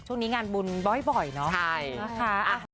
ช่วงนี้งานบุญบ่อยเนาะนะคะ